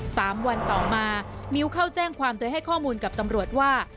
สามวันต่อมามิ้วเข้าแจ้งความโดยให้ข้อมูลกับตำรวจว่า